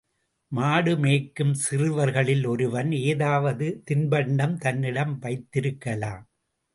மாடு மேய்க்கும் சிறுவர்களில் ஒருவன் ஏதாவது தின்பண்டம் தன்னிடம் வைத்திருக்கலாம்.